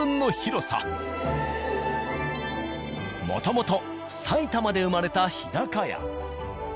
もともと埼玉で生まれた「日高屋」。